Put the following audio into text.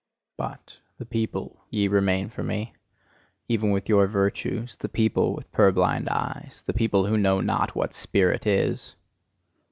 But the people ye remain for me, even with your virtues, the people with purblind eyes the people who know not what SPIRIT is!